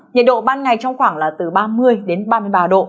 nhiệt độ ban ngày trong khoảng là từ ba mươi đến ba mươi ba độ